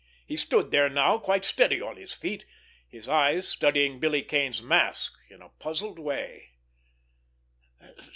He stood there now, quite steady on his feet, his eyes studying Billy Kane's mask in a puzzled way.